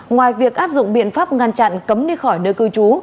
ngoài việc áp dụng biện pháp ngăn chặn cấm đi khỏi nơi cư trú